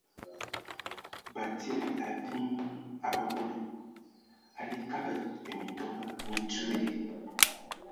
Batsidi, a viimɔ a a abole, a ligi Kabad ai Mintomba mi tuugi.